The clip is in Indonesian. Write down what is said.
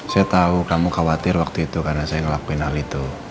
saya tahu kamu khawatir waktu itu karena saya ngelakuin hal itu